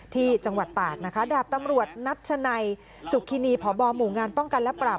ที่จังหวัดตากนะคะดาบตำรวจนัชนัยสุขินีพบหมู่งานป้องกันและปราบ